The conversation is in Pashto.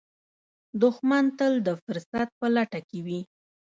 دښمن تل د فرصت په لټه کې وي